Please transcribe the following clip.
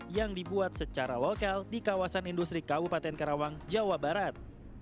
yang dibuat secara lokal di kawasan industri kabupaten karawang jawa barat